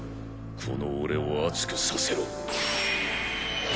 この俺を熱くさせろ